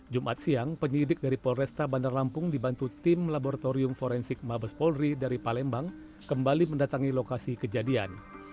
jumat siang penyidik dari polresta bandar lampung dibantu tim laboratorium forensik mabes polri dari palembang kembali mendatangi lokasi kejadian